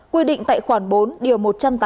quy định tại khoản bốn điều một trăm tám mươi tám